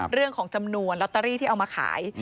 เรื่องของจำนวนลอตเตอรี่ที่เอามาขาย